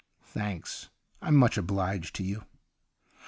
' Thanks ; I'm much obhged to you.'